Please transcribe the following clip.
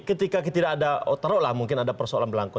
ketika kita tidak ada taruhlah mungkin ada persoalan belangko